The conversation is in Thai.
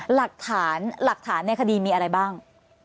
หลักฐานในคดีมีอะไรบ้าง